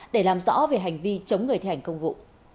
để làm rõ về hành vi chống người thi hành công vụ